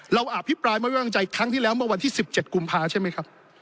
อภิปรายไม่ไว้วางใจครั้งที่แล้วเมื่อวันที่๑๗กุมภาใช่ไหมครับ